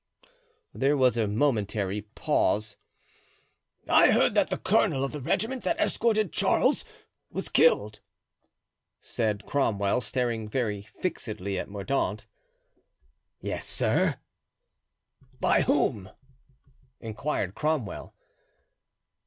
There was a momentary pause. "I heard that the colonel of the regiment that escorted Charles was killed," said Cromwell, staring very fixedly at Mordaunt. "Yes, sir." "By whom?" inquired Cromwell.